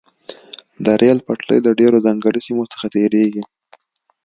د ریل پټلۍ له ډیرو ځنګلي سیمو څخه تیریږي